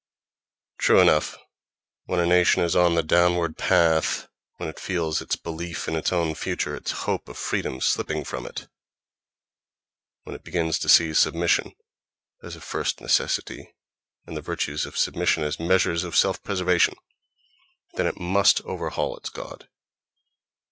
—True enough, when a nation is on the downward path, when it feels its belief in its own future, its hope of freedom slipping from it, when it begins to see submission as a first necessity and the virtues of submission as measures of self preservation, then it must overhaul its god.